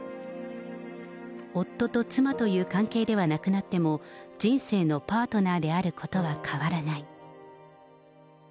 夫と妻という関係ではなくなっても、人生のパートナーであることは変わらない。